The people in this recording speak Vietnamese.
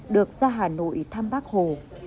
được ra hà nội thăm bác hồ